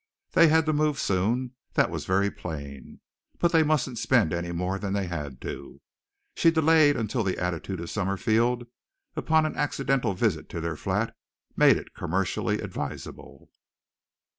They had to move soon, that was very plain, but they mustn't spend any more than they had to. She delayed until the attitude of Summerfield, upon an accidental visit to their flat, made it commercially advisable.